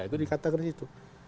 itu dikatakan di situ